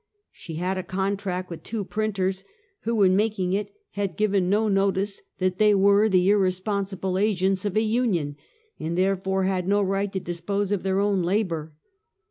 She had a con tract with two printers, who, in making it, had given no notice that they were the irresponsible agents of a union, and therefore had no right to dispose of their own labor.